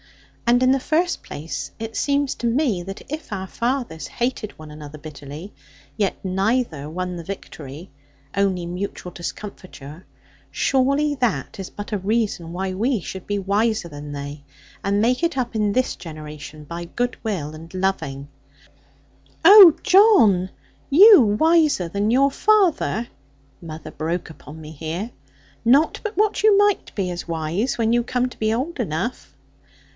And in the first place it seems to me that if our fathers hated one another bitterly, yet neither won the victory, only mutual discomfiture; surely that is but a reason why we should be wiser than they, and make it up in this generation by goodwill and loving' 'Oh, John, you wiser than your father!' mother broke upon me here; 'not but what you might be as wise, when you come to be old enough.'